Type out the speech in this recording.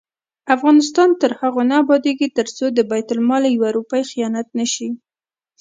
افغانستان تر هغو نه ابادیږي، ترڅو د بیت المال یوه روپۍ خیانت نشي.